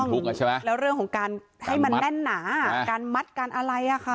ถูกต้องแล้วเรื่องของการให้มันแน่นหนาการมัดการอะไรอ่ะค่ะ